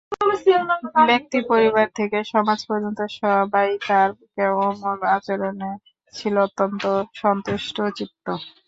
ব্যক্তি, পরিবার থেকে সমাজ পর্যন্ত সবাই তাঁর কোমল আচরণে ছিল অত্যন্ত সন্তুষ্টচিত্ত।